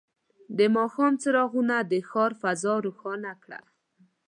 د ماښام څراغونه د ښار فضا روښانه کړه.